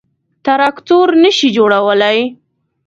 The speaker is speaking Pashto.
_تراکتور نه شي جوړولای.